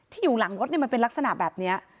อยู่หลังรถมันเป็นลักษณะแบบนี้